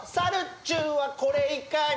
ちゅんはこれいかに？